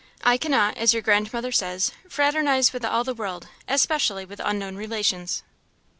I cannot, as your Grandmother says, fraternize with all the world, especially with unknown relations."